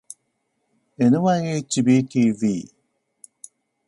ｎｙｈｂｔｂ